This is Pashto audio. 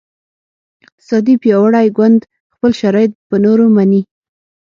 اقتصادي پیاوړی ګوند خپل شرایط په نورو مني